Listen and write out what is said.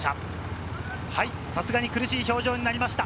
さすがに苦しい表情になりました。